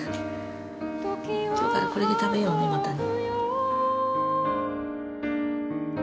きょうからこれで食べようねまたね。